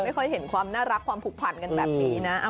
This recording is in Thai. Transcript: ไม่ค่อยเห็นความน่ารักความผูกพันกันแบบนี้นะ